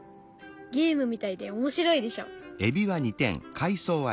ゲームみたいで面白いでしょ。